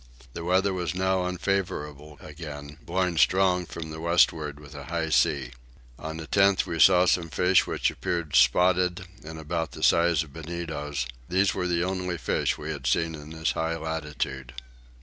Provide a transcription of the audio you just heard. The weather was now unfavourable again, blowing strong from the westward with a high sea. On the 10th we saw some fish which appeared spotted and about the size of bonetos: these were the only fish we had seen in this high latitude.